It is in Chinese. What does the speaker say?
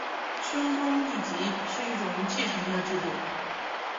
兄终弟及是一种继承的制度。